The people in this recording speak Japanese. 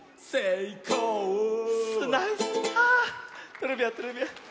トレビアントレビアン。